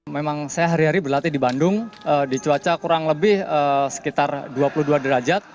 memang saya hari hari berlatih di bandung di cuaca kurang lebih sekitar dua puluh dua derajat